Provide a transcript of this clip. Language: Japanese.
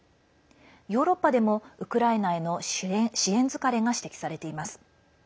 ヨーロッパでも、ウクライナへの支援疲れが指摘されています。